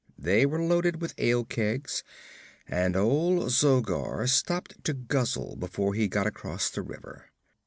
They were loaded with ale kegs, and old Zogar stopped to guzzle before he got across the river.